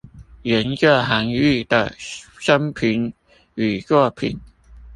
研究韓愈的生平與作品